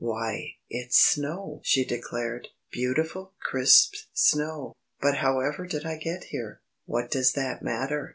"Why, it's snow!" she declared, "beautiful, crisp snow. But however did I get here?" "What does that matter?"